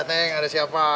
ya neng ada siapa